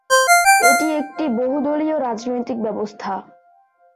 এটি একটি বহুদলীয় রাজনৈতিক ব্যবস্থা।